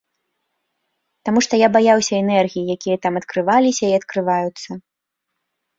Таму што я баяўся энергій, якія там адкрываліся і адкрываюцца.